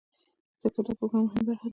ځکه دا د پروګرام مهمه برخه ده.